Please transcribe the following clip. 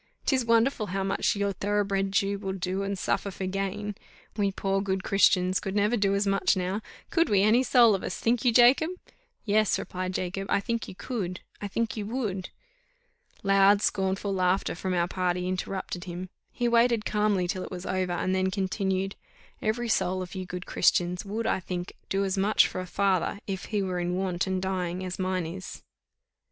'Tis wonderful how much your thoroughbred Jew will do and suffer for gain. We poor good Christians could never do as much now could we any soul of us, think you, Jacob?" "Yes," replied Jacob, "I think you could, I think you would." Loud scornful laughter from our party interrupted him; he waited calmly till it was over, and then continued, "Every soul of you good Christians would, I think, do as much for a father, if he were in want and dying, as mine is."